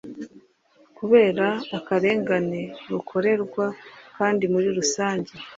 kubera akarengane rukorerwa kandi muri rusange